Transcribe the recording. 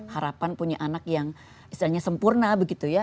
harapan punya anak yang istilahnya sempurna begitu ya